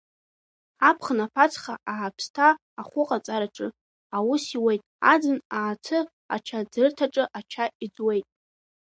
Аԥхын аԥацха Ааԥсҭа ахәыҟаҵараҿы аус иуеит, аӡын Аацы ачаӡырҭаҿы ача иӡуеит.